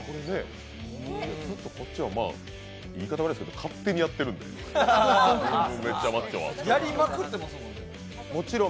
こっちは言い方悪いけど勝手にやってる、「めちゃマッチョ」は。